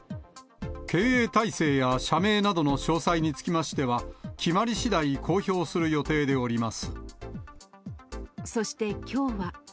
経営体制や社名などの詳細につきましては、決まりしだい、そしてきょうは。